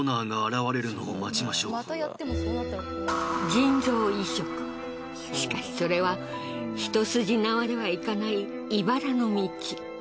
現代医学でしかしそれは一筋縄ではいかないいばらの道。